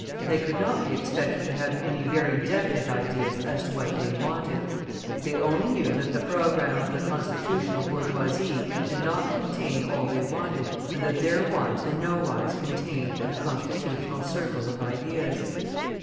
They could not be expected to have any very definite ideas as to what they wanted; they only knew that the programme of the Constitutional bourgeoisie did not contain all they wanted, and that their wants were no wise contained in the Constitutional circle of ideas.